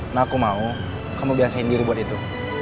nah aku mau kamu biasain diri buat itu